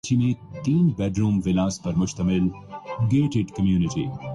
جَیسا یِہ کا فرائض بھی اللہ ہی ادا کرنا گانا